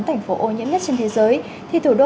thành phố ô nhiễm nhất trên thế giới thì thủ đô